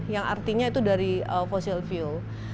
yang artinya itu dari fossil fuel